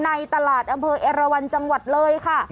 ในตลาดอำเภอเอราะห์